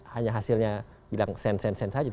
hanya hasilnya bilang send send send saja